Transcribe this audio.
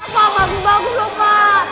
pak bagus bagus loh pak